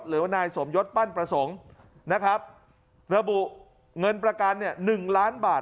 หรือว่านายสมยศปั้นประสงค์นะครับระบุเงินประกันเนี่ยหนึ่งล้านบาท